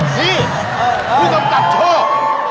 พี่ผู้กำกับโชค